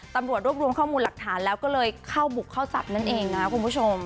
ตำรวจรวบรวมข้อมูลหลักฐานแล้วก็เลยเข้าบุกเข้าศัพท์นั่นเองนะคุณผู้ชม